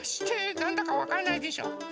なんだかわからないでしょ。